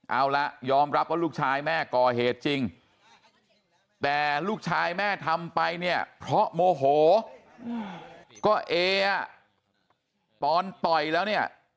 เอาละยอมรับว่าลูกชายแม่ก่อเหตุจริงแต่ลูกชายแม่ทำไปเนี่ยเพราะโมโหก็เออ่ะตอนต่อยแล้วเนี่ย